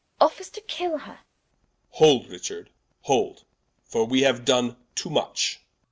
Offers to kill her. Edw. Hold, Richard, hold, for we haue done too much Rich.